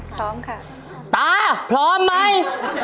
ตาพร้อมไหม